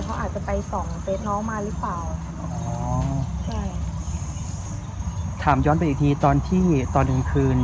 เขาอาจจะไปส่องเฟสน้องมาหรือเปล่าอ๋อใช่ถามย้อนไปอีกทีตอนที่ตอนกลางคืน